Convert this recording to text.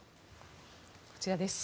こちらです。